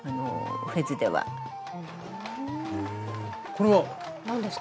これは？何ですか？